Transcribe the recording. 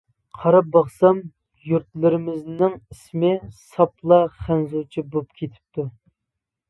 قاراپ باقسام، يۇرتلىرىمىزنىڭ ئىسمى ساپلا خەنزۇچە بولۇپ كېتىپتۇ.